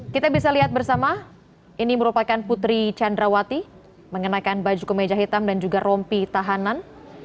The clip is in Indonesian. kita bisa lihat bersama ini merupakan putri candrawati mengenakan baju kemeja hitam dan juga rompi tahanan